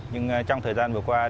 nhưng trong thời gian vừa qua